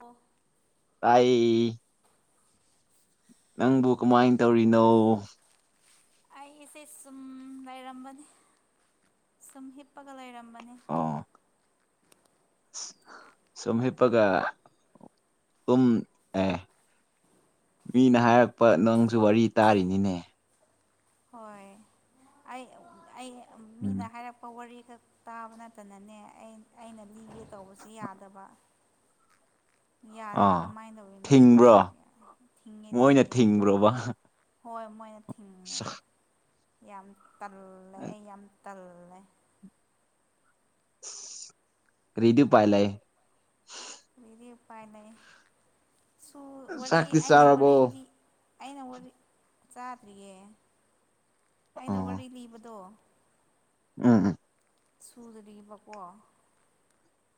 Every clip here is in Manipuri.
ꯑꯣ ꯇꯥꯏꯌꯦ ꯀꯃꯥꯏꯅ ꯇꯧꯔꯤꯅꯣ ꯈꯪꯗ꯭ꯔꯦꯗ ꯑꯩꯁꯦ ꯁꯨꯝ ꯂꯩꯔꯝꯕꯅꯦ ꯁꯨꯝ ꯍꯤꯞꯄꯒ ꯂꯩꯔꯝꯕꯅꯦ ꯑꯣ ꯁꯨꯝ ꯍꯤꯄꯒ ꯇꯨꯝ ꯑꯦ ꯃꯤꯅ ꯍꯥꯏꯔꯛꯄ ꯅꯪꯁꯨ ꯋꯥꯔꯤ ꯇꯥꯔꯤꯅꯤꯅꯦ ꯍꯣꯏ ꯑꯩ ꯑꯩ ꯎꯝ ꯃꯤꯅ ꯍꯥꯏꯔꯛꯄ ꯋꯥꯔꯤꯗ ꯇꯥꯕ ꯅꯠꯇꯅꯅꯦ ꯑꯩ ꯑꯩꯅ ꯂꯤꯒꯦ ꯇꯧꯕꯁꯦ ꯌꯥꯗꯕ ꯌꯥꯗ꯭ꯔꯦ ꯑꯥ ꯀꯃꯥꯏ ꯇꯧꯗꯣꯏꯅꯣ ꯊꯤꯡꯕ꯭ꯔꯣ ꯈꯪꯗ꯭ꯔꯦ ꯊꯤꯡꯉꯦ ꯃꯣꯏꯅ ꯊꯤꯡꯉꯦ ꯊꯤꯡꯕ꯭ꯔꯣꯕ ꯍꯣꯏ ꯃꯣꯏꯅ ꯊꯤꯡꯉꯦ ꯌꯥꯝ ꯇꯜꯂꯦ ꯑꯩ ꯌꯥꯝ ꯇꯜꯂꯦ ꯀ꯭ꯔꯤꯗꯤ ꯎꯄꯥꯏ ꯂꯩ ꯀꯔꯤꯗꯤ ꯎꯄꯥꯏ ꯂꯩ ꯁꯨ ꯋꯥꯔꯤ ꯆꯥꯛꯇꯤ ꯑꯩꯅ ꯆꯥꯔꯕꯣ ꯋꯥꯔꯤ ꯂꯤ ꯑꯩꯅ ꯋꯥꯔꯤ ꯆꯥꯗ꯭ꯔꯤꯌꯦ ꯑꯩꯅ ꯑꯣ ꯋꯥꯔꯤ ꯂꯤꯕꯗꯣ ꯎꯝ ꯎꯝ ꯁꯨꯗ꯭ꯔꯤꯕꯀꯣ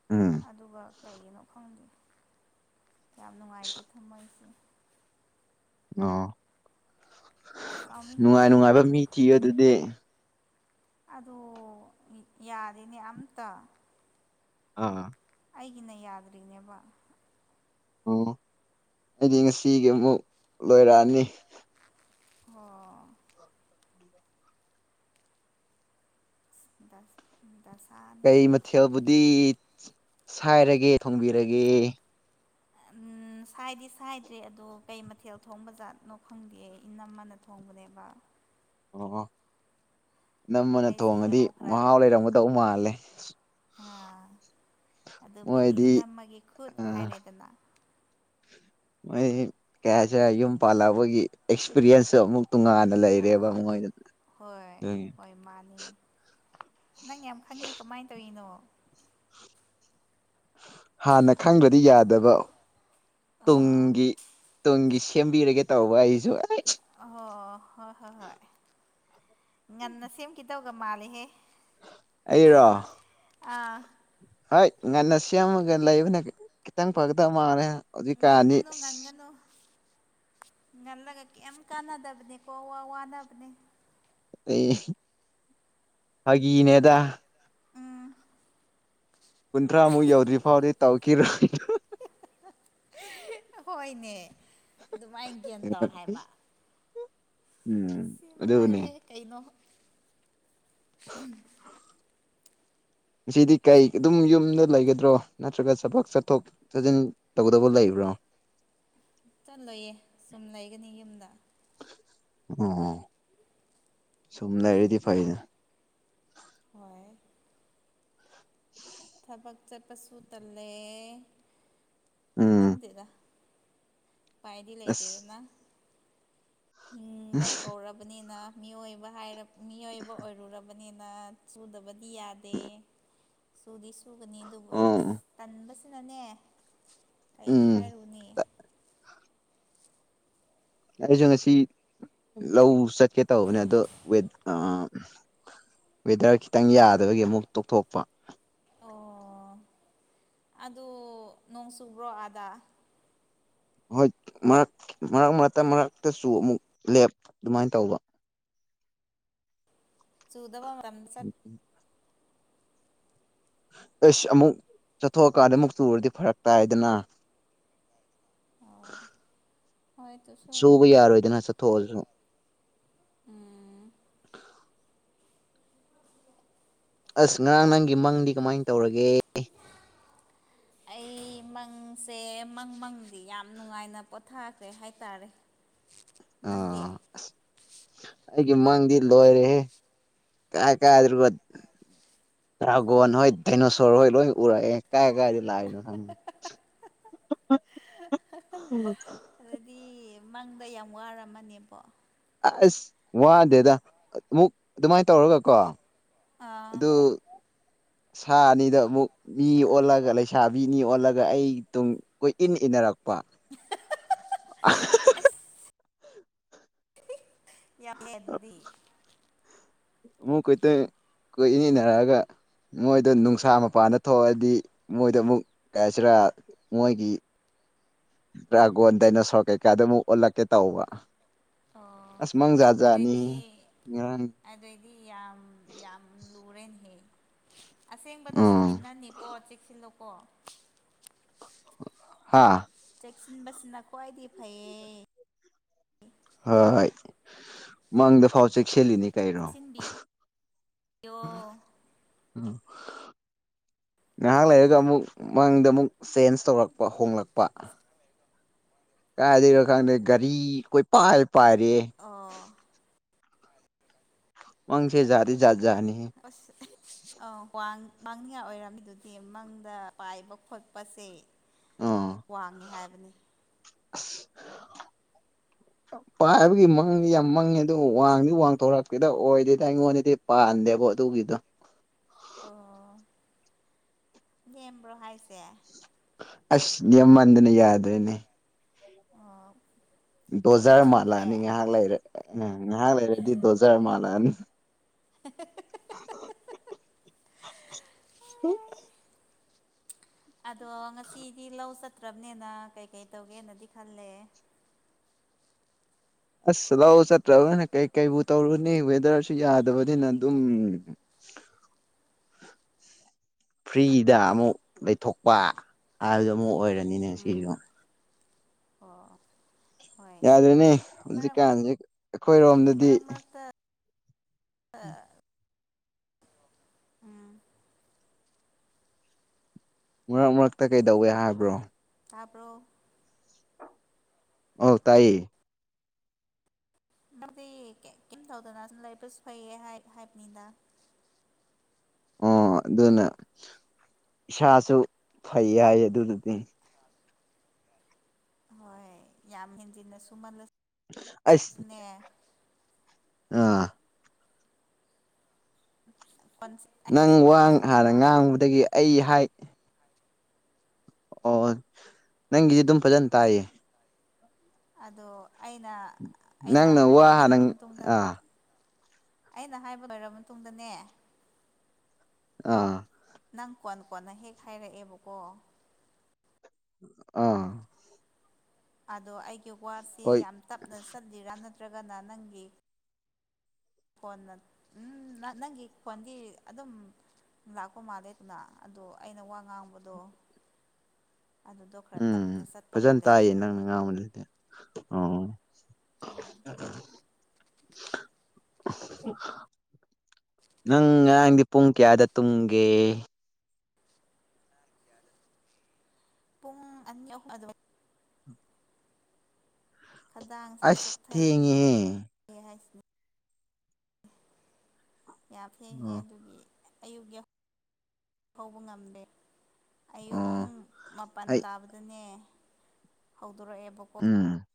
ꯎꯝ ꯑꯗꯨꯒ ꯀꯩꯒꯤꯅꯣ ꯈꯪꯗꯦ ꯌꯥꯝ ꯅꯨꯉꯥꯏꯇꯦ ꯊꯃꯣꯏꯁꯦ ꯑꯣ ꯆꯥꯎꯅꯤꯡꯉꯦ ꯅꯨꯡꯉꯥꯏ ꯅꯨꯡꯉꯥꯏꯕ ꯃꯤ ꯊꯤꯌꯣ ꯑꯗꯨꯗꯤ ꯑꯗꯣ ꯌꯥꯗꯦꯅꯦ ꯑꯝꯇꯥ ꯑꯥ ꯑꯩꯒꯤꯅ ꯌꯥꯗ꯭ꯔꯤꯅꯦꯕ ꯑꯣ ꯑꯩꯗꯤ ꯉꯁꯤꯒꯤ ꯃꯨꯛ ꯂꯣꯏꯔꯛꯑꯥꯅꯤ ꯑꯣ [unintelligible] ꯗꯥꯁ ꯎꯝ ꯗꯥꯁꯥ ꯀꯩ ꯃꯊꯦꯜꯕꯨꯗꯤ ꯁꯥꯏꯔꯒꯦ ꯊꯣꯡꯕꯤꯔꯒꯦ [unintelligible] ꯎꯝ ꯁꯥꯏꯗꯤ ꯁꯥꯏꯗ꯭ꯔꯦ ꯑꯗꯣ ꯀꯩ ꯃꯊꯦꯜ ꯊꯣꯡꯕ ꯖꯠꯅꯣ ꯈꯪꯗꯦꯌꯦ ꯏꯅꯝꯃꯅ ꯊꯣꯡꯕꯅꯦꯕ ꯑꯣ ꯑꯣ ꯅꯝꯃꯥꯅ ꯑꯩꯁꯦ ꯊꯣꯡꯉꯥꯗꯤ ꯃꯍꯥꯎ ꯂꯩꯔꯝꯒꯗꯧ ꯃꯥꯜꯂꯦ ꯑ ꯑꯗꯨꯕꯨꯗꯤ ꯃꯣꯏꯗꯤ ꯏꯅꯝꯃꯒꯤ ꯈꯨꯠ ꯑ ꯍꯥꯏꯔꯦꯗꯅ ꯀꯩ ꯍꯥꯏꯁꯤꯔꯥ ꯌꯨꯝ ꯄꯥꯜꯂꯑꯕꯒꯤ ꯑꯦꯛꯁꯄꯤꯔꯤꯌꯦꯟꯁꯇꯣ ꯑꯃꯨꯛ ꯇꯣꯡꯉꯥꯟ ꯂꯩꯔꯦꯕ ꯃꯣꯏꯗ ꯑꯣꯏ ꯃꯥꯥꯅꯦ ꯅꯪ ꯌꯥꯝ ꯈꯪꯉꯦ ꯀꯃꯥꯏ ꯇꯧꯔꯤꯅꯣ ꯍꯥꯟꯅ ꯈꯪꯗ꯭ꯔꯗꯤ ꯌꯥꯗꯕ ꯇꯨꯡꯒꯤ ꯇꯨꯡꯒꯤ ꯁꯦꯝꯕꯤꯔꯒꯦ ꯇꯧꯕ ꯑꯩꯖꯨ ꯑꯩ ꯑꯣꯍꯣ ꯍꯣꯏ ꯍꯣꯏ ꯍꯣꯏ ꯉꯟꯅ ꯁꯦꯝꯀꯤꯗꯣꯒ ꯃꯥꯂꯦꯍꯦ ꯑꯩꯔꯣ ꯑꯏ ꯉꯟꯅ ꯁꯦꯝꯃꯒ ꯂꯩꯕꯅ ꯈꯤꯇꯪ ꯐꯒꯗꯕ ꯃꯥꯜꯂꯦ ꯍꯧꯖꯤꯛꯀꯥꯟꯗꯤ ꯉꯟꯒꯅꯨ ꯉꯟꯒꯅꯨ ꯉꯜꯂꯒ ꯀꯩꯝ ꯀꯥꯟꯅꯗꯕꯅꯦꯀꯣ ꯋꯥ ꯋꯥꯅꯕꯅꯦ ꯑ ꯐꯒꯤꯅꯦꯗ ꯎꯝ ꯀꯨꯟꯊ꯭ꯔꯥꯃꯨꯛ ꯌꯧꯗ꯭ꯔꯤ ꯐꯥꯎꯗꯤ ꯇꯧꯈꯤꯔꯣꯏ ꯍꯣꯏꯅꯦ ꯑꯗꯨꯃꯥꯏꯅ ꯒ꯭ꯌꯥꯟ ꯇꯧ ꯍꯥꯏꯕ ꯎꯝ ꯁꯤ ꯑꯗꯨꯅꯦ ꯃꯉꯥꯏꯔꯦ ꯀꯩꯅꯣ ꯁꯤꯗꯤ ꯀꯩ ꯑꯗꯨꯝ ꯌꯨꯝꯗ ꯂꯩꯒꯗ꯭ꯔꯣ ꯅꯠꯇ꯭ꯔꯒ ꯆꯕꯛ ꯆꯠꯊꯣꯛ ꯖꯤꯟ ꯇꯧꯒꯗꯕ ꯂꯩꯕ꯭ꯔꯣ ꯆ ꯂꯣꯏꯌꯦ ꯁꯨꯝ ꯂꯩꯒꯅꯤ ꯌꯨꯝꯗ ꯑꯣ ꯁꯨꯝ ꯂꯩꯔꯗꯤ ꯐꯩꯅ ꯍꯣꯏ [unintelligible] ꯕꯛ ꯆꯠꯄꯁꯨ ꯇꯜꯂꯦ ꯎꯝ ꯈꯪꯗꯦꯗ ꯄꯥꯏꯗꯤ ꯑꯁ ꯂꯩꯇꯦꯗꯅ ꯍꯤꯡꯕ ꯀꯧꯔꯕꯅꯤꯅ ꯃꯤꯑꯣꯏꯕ ꯍꯥꯏꯔ ꯃꯤꯑꯣꯏꯕ ꯑꯣꯏꯔꯨꯔꯕꯅꯤꯅ ꯆꯨꯗꯕꯗꯤ ꯌꯥꯗꯦ ꯁꯨꯗꯤ ꯁꯨꯒꯅꯤ ꯑꯗꯨꯕꯨ ꯑꯁ ꯑꯣ ꯇꯟꯕꯁꯤꯅꯅꯦ ꯀꯩꯗꯤ ꯎꯝ ꯍꯥꯏꯔꯨꯅꯦ ꯑꯩꯖꯨ ꯉꯁꯤ ꯂꯧ ꯆꯠꯀꯦ ꯇꯧꯕꯅꯦ ꯑꯗꯣ ꯋꯦꯠ ꯑ ꯋꯦꯗꯔ ꯈꯤꯇꯪ ꯌꯥꯗꯕꯒꯤ ꯑꯃꯨꯛ ꯇꯣꯛꯊꯣꯛꯄ ꯑꯣ ꯑꯗꯨ ꯅꯣꯡ ꯆꯨꯕ꯭ꯔꯣ ꯑꯥꯗꯥ ꯍꯣꯏ ꯃꯔꯛ ꯃꯔꯛ ꯃꯔ ꯃꯔꯛꯇꯆꯨ ꯃꯨꯛ ꯂꯦꯞ ꯑꯗꯨꯃꯥꯏ ꯇꯧꯕ ꯆꯨꯗꯕ ꯃꯔꯝ [inaudible] ꯑꯩꯁ ꯑꯃꯨꯛ ꯆꯠꯊꯣꯛꯑꯀꯥꯟꯗ ꯑꯃꯨꯛ ꯆꯨꯔꯗꯤ ꯐꯔꯛ ꯇꯥꯏꯗꯅ ꯑꯣ ꯍꯣꯏ ꯇꯨꯁꯨ ꯆꯨꯕ ꯌꯥꯔꯣꯏꯗꯅ ꯆꯠꯊꯣꯛꯑꯖꯨ ꯎꯝ [unintelligible] ꯑꯁ ꯉꯔꯥꯡ ꯅꯪꯒꯤ ꯃꯪꯗꯤ ꯀꯃꯥꯏꯟ ꯇꯧꯔꯒꯦ ꯑꯩ ꯃꯪꯁꯦ ꯃꯪ ꯃꯪꯗꯤ ꯌꯥꯝ ꯅꯨꯉꯥꯏꯅ ꯄꯣꯊꯥꯈ꯭ꯔꯦ ꯍꯥꯏꯇꯥꯔꯦ [unintelligible] ꯅꯪꯗꯤ ꯑꯁ ꯑꯩꯒꯤ ꯃꯪꯗꯤ ꯂꯣꯏꯔꯦꯍꯦ ꯀꯥꯏ [unintelligible] ꯗ꯭ꯔꯥꯒꯣꯟ ꯍꯣꯏꯠ ꯗꯥꯏꯅꯣꯁꯣꯔ ꯍꯣꯏ ꯂꯣꯏ ꯎꯔꯑꯦ ꯀꯥꯏ ꯀꯥꯏꯗꯩ ꯂꯥꯏꯅꯣ ꯈꯪ [unintelligible] ꯑꯗꯨꯗꯤ ꯃꯪꯗ ꯌꯥꯝ ꯋꯥꯔꯝꯃꯅꯦꯕꯣ ꯑꯁ ꯋꯥꯗꯦꯗ ꯑꯃꯨꯛ ꯑꯗꯨꯃꯥꯏ ꯇꯧꯔꯒ ꯀꯣ ꯑꯥ ꯑꯗꯨ ꯁꯥ ꯑꯅꯤꯗꯣ ꯑꯃꯨꯛ ꯃꯤ ꯑꯣꯜꯂꯒ ꯂꯩꯁꯥꯕꯤꯅꯤ ꯑꯣꯜꯂꯒ ꯑꯩ ꯇꯨꯡ ꯀꯣꯏꯏꯟ ꯏꯟꯅꯔꯛ ꯄꯥ ꯑꯁ [unintelligible] ꯑꯗꯨꯗꯤ ꯑꯃꯨꯛ [unintelligible] ꯀꯣꯏꯏꯟ ꯏꯟꯅꯔꯛꯑꯒ ꯃꯣꯏꯗꯣ ꯅꯨꯡꯁꯥ ꯃꯄꯥꯟꯗ ꯊꯣꯛꯑꯗꯤ ꯃꯣꯏꯗ ꯑꯃꯨꯛ ꯀꯩ ꯍꯥꯏꯁꯤꯔꯥ ꯃꯣꯏꯒꯤ ꯗ꯭ꯔꯥꯒꯣꯟ ꯗꯥꯏꯅꯣꯁꯣꯔ ꯀꯩꯀꯥꯗ ꯑꯃꯨꯛ ꯑꯣꯜꯂꯛꯀꯦ ꯇꯧꯕ ꯑꯣ ꯑꯁ ꯃꯪ ꯖꯥꯠ ꯖꯥꯠꯅꯤ ꯉꯔꯪ ꯑꯗꯨꯑꯣꯏꯗꯤ ꯌꯥꯝ ꯌꯥꯝ ꯂꯨꯔꯦꯅꯦꯍꯦ ꯑꯁꯦꯡꯕꯗꯁꯨ ꯎꯝ ꯏꯟꯅꯅꯤꯀꯣ ꯆꯦꯛꯁꯤꯜꯂꯨꯀꯣ ꯍꯥ ꯆꯦꯛꯁꯤꯟꯕꯁꯤꯅ ꯈ꯭ꯋꯥꯥꯏꯗꯒꯤ ꯐꯩꯌꯦ ꯍꯣꯏ ꯍꯣꯏ ꯃꯪꯗꯐꯥꯎ ꯆꯦꯛꯁꯤꯜꯂꯤꯅꯤ ꯀꯩꯔꯣ ꯆꯦꯛꯁꯤꯟꯕꯤꯌꯣ [unintelligible] ꯉꯥꯍꯥꯛ ꯂꯩꯔꯒ ꯑꯃꯨꯛ ꯃꯪꯗ ꯑꯃꯨꯛ ꯆꯦꯟꯖ ꯇꯧꯔꯛꯄ ꯍꯣꯡꯂꯛꯄ ꯀꯥꯏꯗꯩꯔꯣ ꯈꯪꯗꯦ ꯒꯥꯔꯤ ꯀꯣꯏꯄꯥꯏ ꯄꯥꯏꯔꯦ ꯑꯣ ꯃꯪꯁꯦ ꯖꯥꯗꯤ ꯖꯥꯠ ꯖꯥꯅꯤꯍꯦ ꯑꯁ ꯑꯥ ꯋꯥꯡ ꯋꯥꯡꯅꯤꯉꯥꯏ ꯑꯣꯏꯔꯝꯃꯤꯗꯨꯗꯤ ꯃꯪꯗ ꯄꯥꯏꯕ ꯈꯣꯠꯄꯁꯦ [inaudible] ꯋꯥꯡꯉꯦ ꯍꯥꯏꯕꯅꯤ ꯑꯁ ꯄꯥꯏꯕꯒꯤ ꯃꯪꯗꯤ ꯌꯥꯝ ꯃꯪꯉꯦ ꯑꯗꯨ ꯋꯥꯡꯗꯤ ꯋꯥꯡꯊꯣꯔꯛꯇꯦꯗ ꯑꯣꯏꯗꯦꯗ ꯑꯩꯉꯣꯟꯗꯗꯤ ꯄꯥꯟꯗꯦꯕꯣ ꯑꯗꯨꯒꯤꯗꯣ ꯑꯣ ꯅꯦꯝꯕ꯭ꯔꯣ ꯍꯥꯏꯁꯦ ꯑꯁ ꯅꯦꯝꯃꯟꯗꯅ ꯌꯥꯗ꯭ꯔꯦꯅꯦ ꯑ ꯗꯣꯖꯔ ꯃꯥꯜꯂꯑꯅꯤ ꯉꯥꯍꯥꯛ ꯂꯩꯔ ꯎꯝ ꯉꯥꯍꯥꯛ ꯂꯩꯔꯗꯤ ꯗꯣꯖꯔ ꯃꯥꯜꯂꯑꯅꯤ [unintelligible] ꯑꯗꯣ ꯉꯁꯤꯗꯤ ꯂꯧ ꯆꯠꯇ꯭ꯔꯕꯅꯦꯅ ꯀꯩꯀꯩ ꯇꯧꯒꯦꯅꯗꯤ ꯈꯜꯂꯦ ꯑꯁ ꯂꯧꯛ ꯆꯠꯇ꯭ꯔꯕꯅꯤꯅ ꯀꯩꯀꯩꯕꯨ ꯇꯧꯔꯨꯅꯤ ꯋꯦꯗꯔꯁꯨ ꯌꯥꯗꯕꯅꯤꯅ ꯗꯨꯝ [unintelligible] ꯐ꯭ꯔꯤꯗꯥꯥ ꯑꯃꯨꯛ ꯂꯩꯊꯣꯛꯄ ꯍꯥꯏꯕꯗꯨ ꯑꯃꯨꯛ ꯑꯣꯏꯔꯦ ꯎꯝ ꯑꯣ ꯑꯣ ꯌꯥꯗ꯭ꯔꯦꯅꯦ ꯍꯧꯖꯤꯛꯀꯥꯟꯖꯦ ꯑꯩꯈꯣꯏꯔꯣꯝꯗꯗꯤ ꯑꯥ ꯎꯝ ꯃꯔꯛ ꯃꯔꯛꯇ ꯀꯩꯗꯧꯋꯦ ꯍꯥꯏꯕ꯭ꯔꯣ ꯇꯥꯕ꯭ꯔꯣ ꯑꯧ ꯇꯥꯏꯌꯦ [inaudible] ꯀꯤꯝ ꯇꯧꯗꯅ ꯁꯨꯝ ꯂꯩꯕꯁꯨ ꯐꯩꯌꯦ ꯍꯥꯏ ꯍꯥꯏꯕꯅꯤꯗ ꯑꯣ ꯑꯗꯨꯅ ꯏꯁꯥꯁꯨ ꯐꯩ ꯍꯥꯏꯌꯦ ꯑꯗꯨꯗꯨꯗꯤ ꯍꯣꯏ ꯌꯥꯝ ꯍꯦꯟꯖꯤꯟꯅ ꯁꯨꯝꯃꯜꯂꯁ ꯑꯁ ꯑꯥ [unintelligible] ꯅꯪ ꯋꯥ ꯇꯞꯅ ꯆꯠꯂ ꯍꯥꯟꯅ ꯃꯥꯜꯂꯦ ꯉꯥꯡꯕꯗꯒꯤ ꯑꯩ ꯍꯥꯏ ꯑꯣ ꯅꯪꯒꯤ ꯑꯗꯨꯝ ꯐꯖꯟ ꯇꯥꯏꯌꯦ ꯑꯗꯣ ꯑꯩꯅ ꯑꯩꯅ ꯅꯪꯅ ꯋꯥ ꯍꯥꯏꯕ ꯍꯥꯟꯅ ꯂꯣꯏꯔ ꯃꯇꯨꯡꯗ ꯑꯥ ꯑꯩꯅ ꯍꯥꯏꯕ ꯂꯣꯏꯔ ꯃꯇꯨꯡꯗꯅꯦ ꯑꯥ ꯅꯪ ꯀꯣꯟ ꯀꯣꯟꯅ ꯍꯦꯛ ꯍꯥꯏꯔꯛꯑꯦꯕꯀꯣ ꯑ ꯑꯗꯣ ꯑꯩꯒꯤ ꯋꯥꯁꯤ ꯍꯣꯏ ꯌꯥꯝ ꯇꯞꯅ ꯆꯠꯂꯤꯔꯥ ꯅꯠꯇ꯭ꯔꯒꯅ ꯅꯪꯒꯤ ꯈꯣꯟꯅ ꯎꯝ ꯅꯪꯒꯤ ꯈꯣꯟꯒꯤ ꯑꯗꯨꯝ ꯂꯥꯛꯄ ꯃꯥꯜꯂꯦꯗꯅ ꯑꯗꯣ ꯑꯩꯅ ꯋꯥ ꯉꯥꯡꯕꯗꯣ ꯑꯗꯨꯗꯣ ꯈꯔ ꯎꯝ ꯇꯞꯅ ꯆꯠꯄ ꯐꯖꯅ ꯃꯥꯜꯂꯦ ꯇꯥꯏꯌꯦ ꯅꯪꯅ ꯉꯥꯡꯕꯗ ꯑꯣ [inaudible] ꯅꯪ ꯉꯔꯥꯡꯗꯤ ꯄꯨꯡ ꯀꯌꯥꯗ ꯇꯨꯝꯒꯦ ꯄꯨꯡ ꯑꯅꯤ ꯑꯍꯨꯝ [inaudible] ꯈꯗꯥꯡꯁꯦ ꯑꯁ ꯆꯣꯛꯊꯩ ꯊꯦꯡꯉꯦꯍꯦ ꯌꯦ ꯍꯥꯏꯁꯤꯅꯤ ꯌꯥ ꯐꯦꯡꯉꯦ ꯑꯣ ꯑꯗꯨꯒꯤ ꯑꯌꯨꯛ ꯌꯥ ꯍꯧꯕ ꯉꯝꯗꯦ ꯑꯌꯨꯛ ꯑꯣ ꯄꯨꯡ ꯃꯥꯄꯟ ꯑꯩ ꯇꯥꯕꯗꯅꯦ ꯍꯧꯗꯣꯔꯛꯑꯦꯕꯀꯣ ꯎꯝ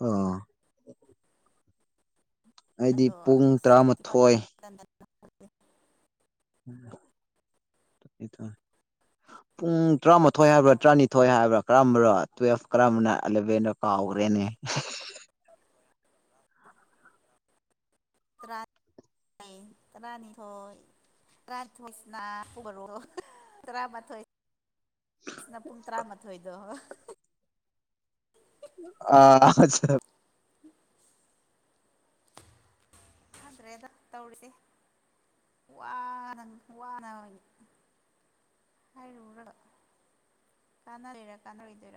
ꯑ ꯑꯩꯗꯤ ꯑꯗꯣ ꯄꯨꯡ ꯇꯔꯥꯃꯥꯊꯣꯏ [inaudible] [inaudible] ꯄꯨꯡ ꯇ꯭ꯔꯥꯃꯥꯊꯣꯏ ꯍꯥꯏꯕ꯭ꯔꯥ ꯇ꯭ꯔꯥꯅꯤꯊꯣꯏ ꯍꯥꯏꯕ꯭ꯔꯥ ꯀꯔꯝꯕꯔ ꯇꯨꯋꯦꯞ ꯀꯔꯝꯕꯅ ꯑꯦꯂꯕꯦꯟꯅꯣ ꯀꯥꯎꯒ꯭ꯔꯦꯅꯦ [inaudible] ꯇꯔꯥꯅꯤꯊꯣꯏ [inaudible] ꯁꯤꯅ ꯄꯨꯡ ꯇꯔꯥꯃꯥꯊꯣꯏꯗꯣ ꯑ ꯈꯪꯗ꯭ꯔꯦꯗ ꯇꯧꯔꯤꯁꯦ ꯋꯥꯅ [inaudible] ꯍꯥꯏꯔꯨꯔꯒ ꯀꯥꯥꯟꯅ [inaudible] ꯀꯥꯟꯅꯔꯨꯏꯗꯣꯏꯔ